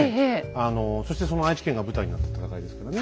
あのそしてその愛知県が舞台になった戦いですからね。